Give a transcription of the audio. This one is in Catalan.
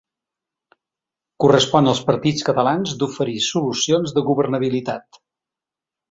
Correspon als partits catalans d’oferir solucions de governabilitat.